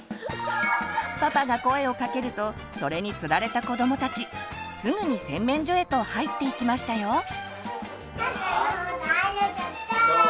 パパが声をかけるとそれに釣られた子どもたちすぐに洗面所へと入っていきましたよ。